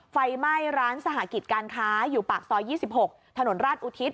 ไฟไหม้ร้านสหกิจการค้าอยู่ปากซอย๒๖ถนนราชอุทิศ